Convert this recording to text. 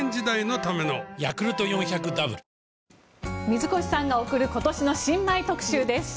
水越さんが送る今年の新米特集です。